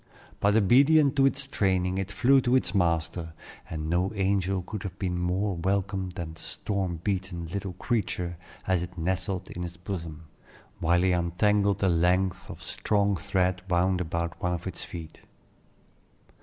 But obedient to its training, it flew to its master; and no angel could have been more welcome than the storm beaten little creature as it nestled in his bosom, while he untangled the lengths of strong thread wound about one of its feet.